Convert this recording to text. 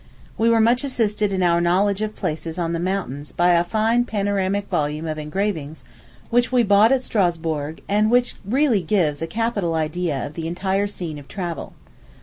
We were much assisted in our knowledge of places on the mountains by a fine panoramic volume of engravings which we bought at Strasburg, and which really gives a capital idea of the entire scene of travel.